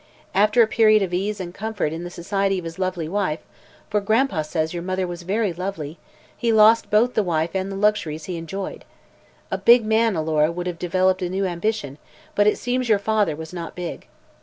After a period of ease and comfort in the society of his lovely wife for Gran'pa says your mother was very lovely he lost both the wife and the luxuries he enjoyed. A big man, Alora, would have developed a new ambition, but it seems your father was not big.